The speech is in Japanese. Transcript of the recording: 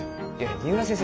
三浦先生